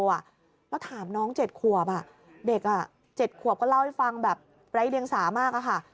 แล้วถามน้อง๗ขวบเด็ก๗ขวบก็เล่าให้ฟังแบบไร้เดียงสามากอะค่ะ